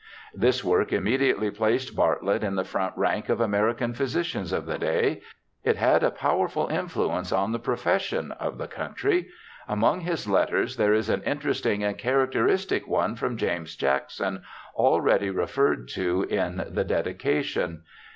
This work immediately placed Bartlett in the front rank of American physicians of the day. It had a powerful influence on the profession of the country. Among his letters there is an interesting and characteristic one from James Jackson, already referred to in the dedi cation.